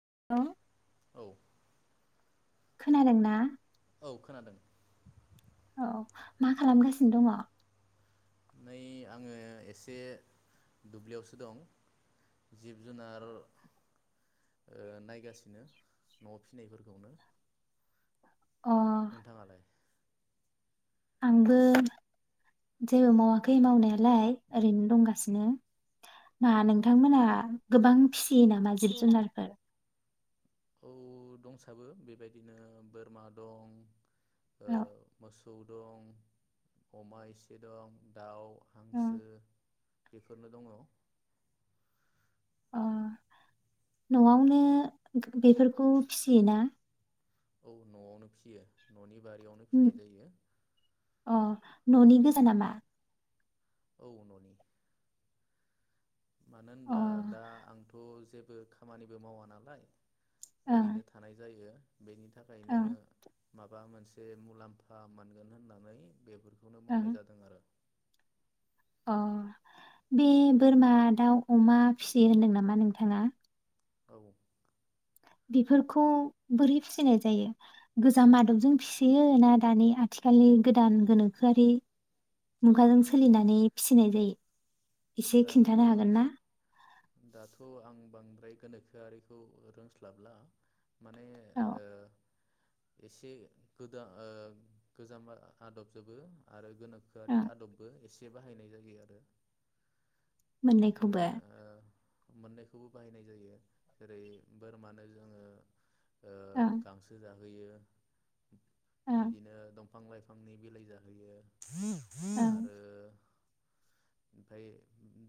[unintelligible] औ। खोनादोंना? औ खोनादों। औ मा खालामगासिनो दङ? नै आङो एसे दुब्लियावसो दं जिब जुनार ओ नायगासिनो न'आव फिसिनायफोरखौनो। अह आंबो जेबो मावाखै मावनायालाय ओरैनो दंगासिनो दा नोंथांमोना गोबां फिस यि नामा जिब फियो नामा? जुनारफोर औ दंसाबो बेबायदिनो बोरमा दं औ सौ दं अमा एसे दं दाव हांसो औ बेफोरनो दंङ अ न'आवनो बेफोरखौ फिसियोना? औ न'आवनो फिसियो न'नि बारियावनो उम फिनाय जायो। अ न'नि गोजाना मा? औ न'नि मानो अ होनब्ला ओं दा आंथ' जेबो खामानिबो मावा नालाय ओं ओरैनो थानाय जायो। बेनि थाखायनो माबा मोनसे मुलाम्फा मोनगोन होननानै बेफोरखौनो ओं मावनाय जादों आरो। अ बे बोरमा दाव अमा फिसि होनदों नामा नोंथांङा? औ बेफोरखौ बोरै फिसिनाय जायो गोजाम आदबजों फिसियो ना दानि आथिखालनि गोदान गोनोखोआरि मुगाजों सोलिनानै फिसिनाय जायो एसे दाथ' खिन्थानो हागोन ना? दाथ' आं बांद्राय गोनोखोआरिखौ रोंस्लाबला माने औ ओ एसे गोदा ओ गोजाम आदबजोबो आरो गोनोखोआरि ओं आदबबो एसे बे बाहायनाय जायो आरो माने मोननैखौबो ओ मोननैखौबो बाहायनाय जायो जेरै बोरमानो जोंङो ओ ओं गांसो जा होयो। ओं बिदिनो दं फां लाइफांनि बिलाइ जाहोयो। ओं ओमफाय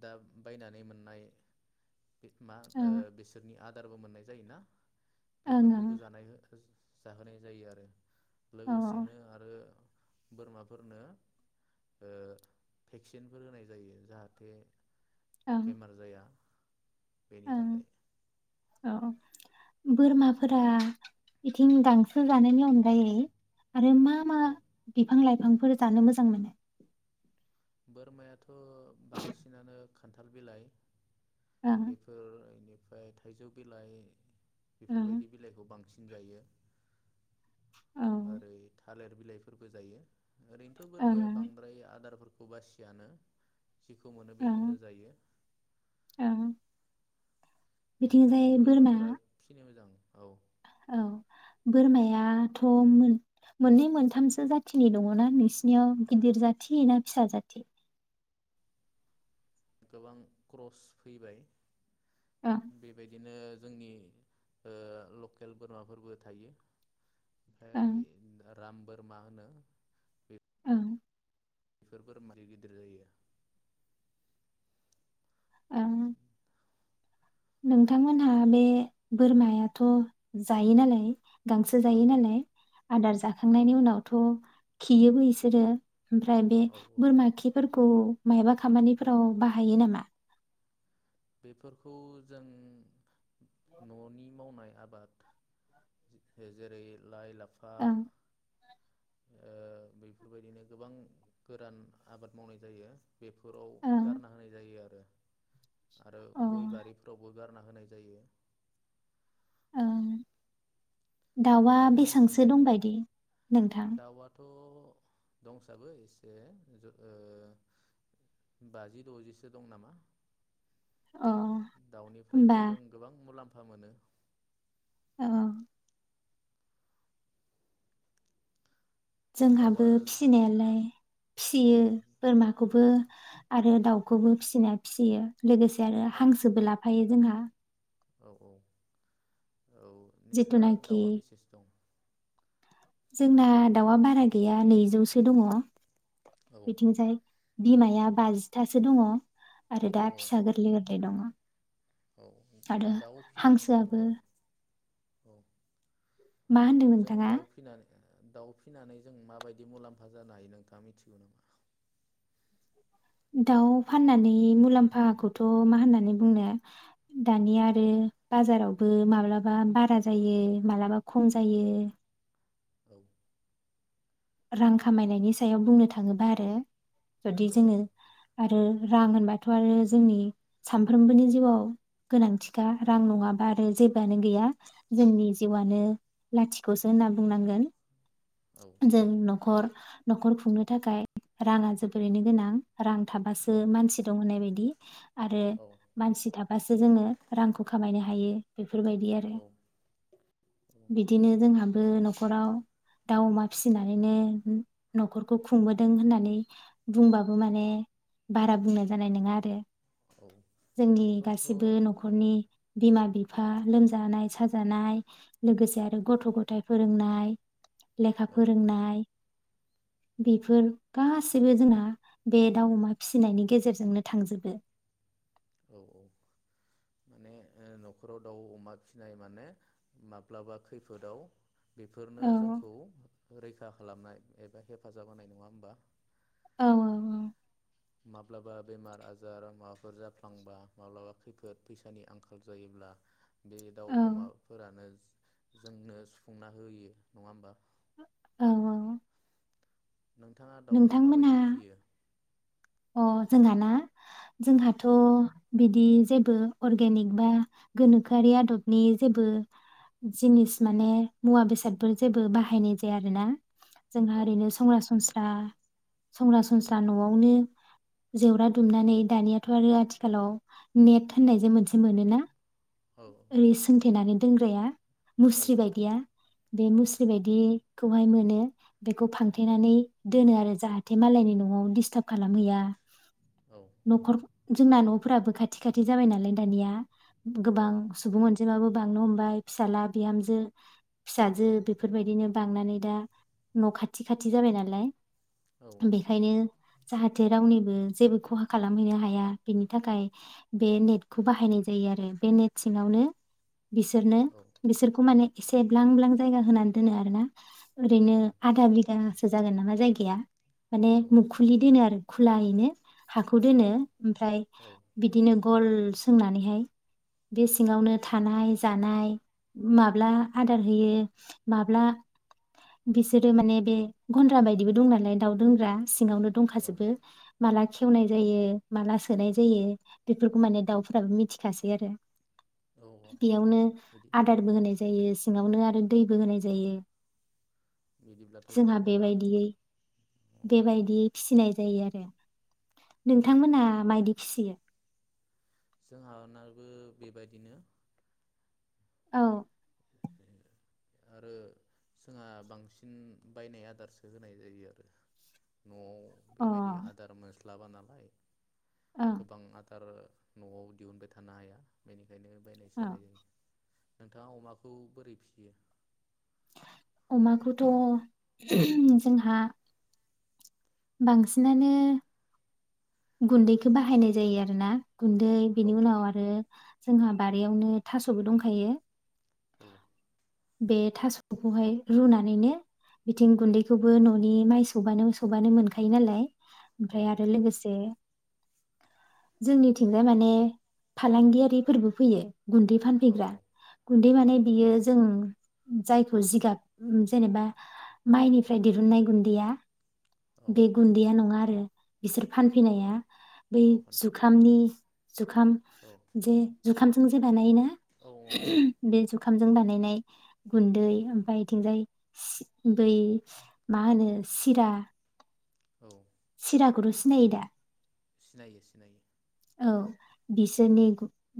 दा बायनानै मोननाय बे मा ओ ओं बिसोरनि आ दारबो मोननाय जायोना? ओं बेफोरखौबो ओं जानाय [unintelligible] जाहोनाय जायो आरो। औ लोगोसेनो आरो बोरमाफोरनो ओ भेक्सिनफोर होनाय। जायो जाहाथे ओं बेमार जाया। बेनि ओं थाखाय। औ बोरमाफोरा बिथिं गांसो जानायनि अनगायै आरो मा औ। फां लाइफांफोर जानो मोजां मोनो? बोरमाया थ बांसिनानो खान्थाल बिलाइ। ओं बेफोर एनि फ्राय थाइजौ बिलाइ। ओं बेफोरबायदि बिलाइखौ बांसिन जायो। औ आरो था थालेर बिलाइफोरबो जायो। ओरैनोथ बोरमाया ओं बांद्राय आदारफोर बासियानो जेखौ मोनो बेखौनो ओं जायो। ओं बेनि बिथिंजाय थाखायनो बोरमा बोरमाफोरा फिनो मोजां। औ। औ बोरमायाथ मोन-मोननै मोनथामसो जाथिनि दङना नोंसिनियाव गिदिर जाथि ना फिसा जाथि? गोबां क्रस फैबाय। ओं बेबायदिनो जोंनि ओ लकेल बोरमाफोरबो थायो। है ओं [inaudible] राम बोरमा होनो बे औ। बेफोर [unintelligible] गिदिर जायो। [unintelligible] नोंथांमोनहा बे बोरमायाथ जायो नालाय। गांसो औ जायो नालाय आदार औ जाखांनायनि उनावथ। खियोबो इसोरो। ओमफ्राय बे औ औ बोरमा खिफोर खौ मायबा खामानिफोराव बाहायो नामा? बेफोरखौ जों ननि मावनाय आबाद जेरै लाइ ला फा ओं ओ बेफोरबायदिनो गोबां गोरान आबाद मावनाय जायो बेफोराव ओं गारना होनाय जायो आरो। आरो औ गय बारिफोरावबो गारना होनाय जायो। दावा बेसांसो नोंथांमोननिथिंलाय दंबायदि नोंथां? दाउआथ' दंसाबो एसे बाजि दजिसो दं नामा। अ दाउनिफ्रायथ होमबा जों गोबां मुलाम्फा मोनो। अ जोंहाबो दाउआ जों फिसिनायालाय औ फियो बोरमाखौबो आरो दाउखौबो फिसिनाया फिसियो। लोगोसे आरो औ हांसोबो लाफायो। जोंहा औ औ औ नोंस्रा जिथुनाखि दावा बेसेसो दं? जोंना दावा बारा गैया नैजौसो दङ। औ बेथिं जाय बिमाया बाजिथासो दङ। आरो औ दा फिसा गोरलै गोरलै दङ। औ आरो दाउ फिसिनानै औ हांसोआबो औ मा होनदों जों नोंथाङा? दाउ फिनानै दाउ फिसिनानै जों माबायदि मुलाम्फा जानो हायो नोंथाङा मिथिगौ नामा? दाउ फाननानै मुलाम्फाखौथ मा होननानै बुंनो दानिया आरो बाजारावबो माब्लाबा बारा जायो माब्लाबा खम जायो। औ रां खामायनायनि सायाव बुंनो थाङोबा आरो जुदि औ जोङो आरो रां होनबाथ' आरो जोंनि सामफ्रोमबोनि जिउआव गोनांथिखा औ रां नङाबा आरो जेबोआनो गैया जोंनि औ जिउआनो लाथिख'सो होनना बुंनांगोन। औ जों नखर नखर खुंनो थाखाय राङा जोबोरैनो गोनां। रां थाबासो मानसि दं होननाय बायदि। [unintelligible] आरो औ मानसि थाबासो जोङो रांखौ खामायनो हायो बे बेफोर बायदि आरो औ औ बिदिनो जोंहाबो नखर नखराव दाउमा फिसिनानैनो नखरखौ खुंबोदों होननानै बुंबाबो माने बारा बुंनाय जानाय नङा आरो। औ जोंनि बेफोरथ' औ गासिबो नखरनि बिमा बिफा लोमजा जानाय साजानाय लोगोसे आरो गथ गथाय फोरोंनाय लेखा औ फोरोंनाय। बेफोर गासै सैबो जोंना बे दाउ अमा फिसिनायनि गेजेरजोंनो थांजोबो। औ औ माने ओ नखराव दाउ अमा फिसिनाय माने माब्लाबा खैफोदाव बेफोरनो औ जोंखौ रैखा खा खालामनाय एबा हेफाजाब होनाय नङा होमबा? औ औ ओं। माब्लाबा बेमार आजार माबाफोर जाफ्लांबा माब्लाबा खैफोद फैसानि आंखाल जायोब्ला बे दाउ औ अमाफोरानो। जोंनो सुफुंना होयो नङा होमबा? औ औ। नोंथाङा दाउखौ नोंथांमोनहा माबायदि फियो अ जोंहाना औ जोंहाथ बिदि जेबो अरगेनिक बा गोनोखोआरि आदबनि जेबो जिनिस माने मुवा बेसादफोर जेबो बाहायनाय जाया आरोना। जोंहा औ ओरैनो सरासनस्रा दा सरासनस्रा नआवनो जेवरा दुमनानै दानियाथ आरो आथिखालाव नेट होननायजों मोनसे मोनोना। औ ओरै सोंथेनानै। दोनग्राया। औ मुस्रि बायदिया बे औ मुस्रि बायदि खौहाय मोनो। बेखौ फांथेनानै दोनो आरो जाहाथे मालायनि नवाव दिस्टार्ब खालामहैया। औ नखर जोंना नफोराबो खाथि खाथि जाबाय नालाय दानिया। औ गोबां सुबुं अनजि जिमाबो बांनो हमबाय फिसाला बिहामजो औ फिसाजो बेफोरबायदिनो बांनानै दा न खाथि खाथि जाबाय नालाय। औ बेखायनो जाहाथे रावनिबो जेबो खहा खालामहैनो हाया बेनि थाखाय बे नेटखौ बाहायनाय जायो आरो बे नेट सिङावनो बिसोरनो औ बिसोरखौ माने एसे ब्लां ब्लां जायगा होनानै दोनो आरोना ओरैनो औ आदा बिगासो जागोन नामा जाय गाया। माने मुखुलि दोनो आरो खुलायैनो हाखौ दोनो ओमफ्राय बिदिनो गल सोंनानैहाय बे सिङावनो थानाय जानाय माब्ला आदार होयो माब्ला गेसेरो माने बे गनद्राबाय दिबो दं नालाय दाउ दोनग्रा सिङावनो दंखाजोबो माला खेवनाय जायो माला सो सोनाय जायो बेफोरखौ माने दाउफोराबो मिथिखासै आरो बेयावनो बिदि आदारबो होनाय जायो जो सिङावनो आरो दैबो होनाय जायो बिदिब्लाथ जोंहा जोबोर मोजां बेबायदियै औ बेबायदियै फिसिनाय जायो आरो औ नोंथांमोना मायदि फिसियो? जोंहानाबो बेबायदिनो औ आरो जोंहा बांसिन बायनाय आदारसो होनाय जायो आरो ओ अ बेबायदि आदार मोन म्लाबा नालाय औ गोबां आदा आरो नवाव दिहुनबाय थानो हाया बेनि खायनो बायनायसो औ होनाय जायो नोंथाङा अमा खौ बोरै फियो अमाखौथ [unintelligible] जोंहा बांसिनानो गुनदैखो बाहायनाय जायो आरोना गुनदै औ बेनि उनाव आरो जोंहा बारियावनो थासबो दंखायो औ बे थासफोरखौहाय रुनानैनो बिथिं गुनदैखौबो ननि माइ सौबानो सौबानो मोनखायो नालाय औ ओमफ्राय आरो लोगोसे जोंनिथिंजाय माने फालांगियारिफोरबो फैयो गुन्दै औ फानफैग्रा गुन्दै औ माने बियो उम जायखौ जिगाब जेनेबा माइनिफ्राय दिहुननाय गुन्दैया औ बे गुन्दैया नङा आरो बिसोर फानफैनाया बै जुखामनि जुखाम औ जे जुखाम जोंजे बानायोना? औ [unintelligible] बे जुखाम जों बानायनाय गुन्दै ओमफ्राय बिथिंजाय सि बै मा होनो सिरा औ चिरा खौथ सिनायो दा? सिनायो सिनायो औ, बिसोरनि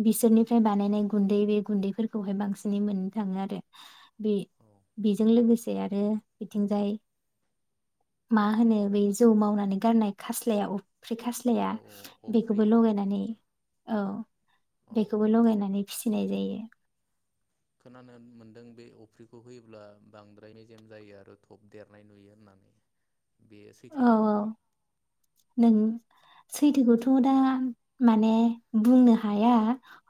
बिसोरनिफ्राय बानायनाय गुन्दै बे गुन्दैफोरखौहाय बांसिनै मोननो थाङो आरो। बे औ बेजों लोगोसे आरो बिथिंजाय मा होनो बै जौ मावनानै गारनाय खास्लाया अफ्रि खास्लाया औ औ बे अफ्रि खौबो लगायनानै औ। औ बेखौबो लगायनानै फिसिनाय जायो। खोनानो मोनदों बे अफ्रिखौ होयोब्ला बांद्राय मेजेम जायो आरो थब देरनाय नुयो होननानै। बेयो औ सैथोनामा? औ नों सैथोखौथ दा माने बुंनो हाया।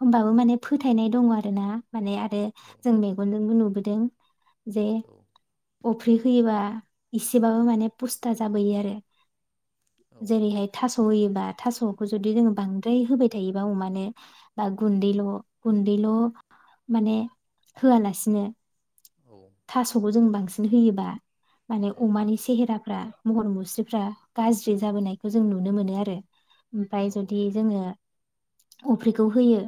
होनबाबो माने फोथायनाय दङ आरो ना माने आरो औ जों मेगनजोंबो नुबो दों। अफ्रि होयोबा इसेबाबो माने पुस्ता जाबोयो आरो। औ जेरैहाय था स होयोबा थासखौ जुदि जोङो बांद्राय होबाय थायोबा अमानो बा गुन्दैल गुन्दैल माने होआलासिनो थासखौ जों बां सिन होयोबा माने अमानि सेहेरा फ्रा, महर मुस्रिफ्रा गाज्रि जाबोनायखौ जों नुनो मोनो आरो। औ ओमफ्राय जुदि जोङो अफ्रिखौ होयो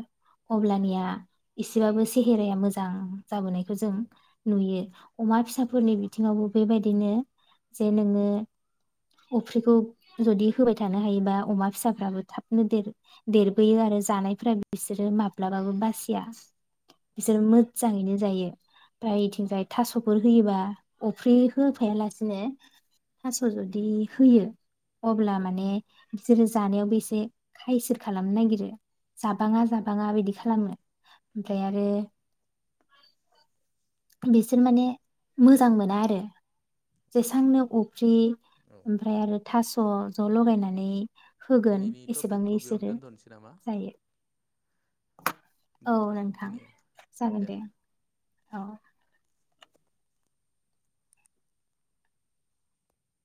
औ अब्लानिया एसेबाबो सेहेराया मोजां जाबोनायखौ जों औ नुयो। अमा फिसाफोरनि नुयो बिथिङावबो बे बेबायदिनो जे नोङो अफ्रिखौ जुदि होबाय थानो हायोबा अमा फिसाफ्राबो थाबनो देरो देरबोयो आरो जानायफोरा बिसोरो माब्लाबाबो बासिया औ बिसोर मोजाङैनो जायो बायथिंजाय थासफोर होयोबा अफ्रि होफायालासिनो थास जुदि होयो अब्ला औ माने बिसोरो जानायावबो एसे खायसो खालामनो नागिरो जाबाङा जाबाङा बिदि खालामो ओमफ्राय आरो बिसोर माने मोजां मोना आरो जेसांनो अफ्रि ओमफ्राय आरो थास अ ज' लगायनानै होगोन दिनैनि टपिकखौ एसेबांनो बेयावनो इसोरो दोनथ'नोसै नामा जायो। औ नोंथां दिनै जागोन दे। औ